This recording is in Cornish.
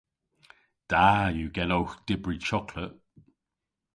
Da yw genowgh dybri choklet.